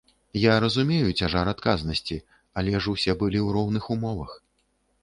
Я разумею цяжар адказнасці, але ж усе былі ў роўных умовах.